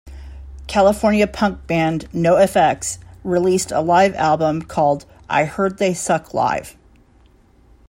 California Punk band Nofx released a live album called I Heard They Suck Live!!